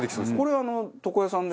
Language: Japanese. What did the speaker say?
これ床屋さんで。